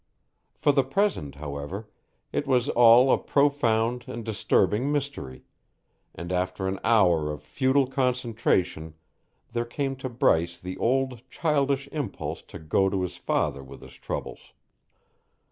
For the present, however, it was all a profound and disturbing mystery, and after an hour of futile concentration there came to Bryce the old childish impulse to go to his father with his troubles.